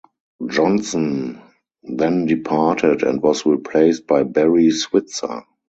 Johnson then departed and was replaced by Barry Switzer.